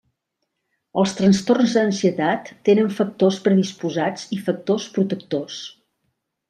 Els trastorns d'ansietat tenen factors predisposats i factors protectors.